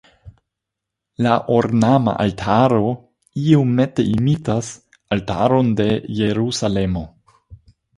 La ornama altaro iomete imitas altaron de Jerusalemo.